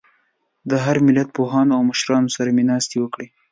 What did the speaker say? د هر ملت پوهانو او مشرانو سره مې ناستې وکړې.